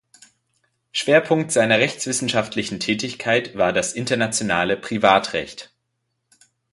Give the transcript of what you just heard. Schwerpunkt seiner rechtswissenschaftlichen Tätigkeit war das internationale Privatrecht.